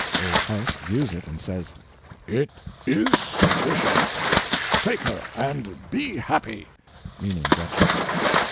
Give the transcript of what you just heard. Old Huss views it and says, "It is sufficient take her and be happy," meaning Gretchen.